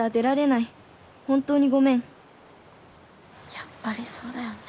やっぱりそうだよね。